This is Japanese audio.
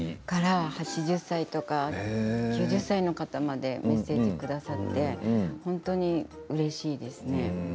８０歳、９０歳の方までメッセージくださって本当にうれしいですね。